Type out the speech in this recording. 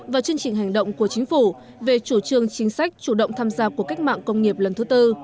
và chương trình hành động của chính phủ về chủ trương chính sách chủ động tham gia của cách mạng công nghiệp lần thứ tư